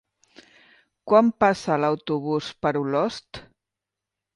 Quan passa l'autobús per Olost?